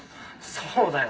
そうだよ。